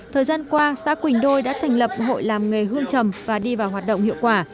thời gian qua xã quỳnh đôi đã thành lập hội làm nghề hương trầm và đi vào hoạt động hiệu quả